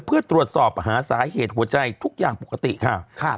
เพื่อตรวจสอบหาสาเหตุหัวใจทุกอย่างปกติค่ะ